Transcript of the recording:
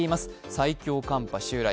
最強寒波襲来。